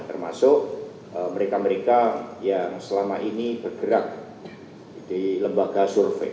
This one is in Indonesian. termasuk mereka mereka yang selama ini bergerak di lembaga survei